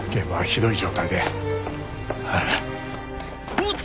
おっと！